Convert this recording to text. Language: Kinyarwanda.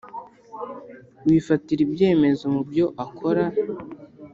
wifatira ibyemezo mu byo akora.